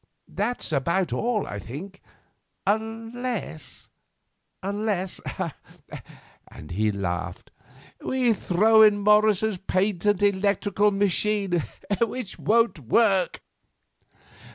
That's about all, I think. Unless—unless"—and he laughed, "we throw in Morris's patent electrical machine, which won't work."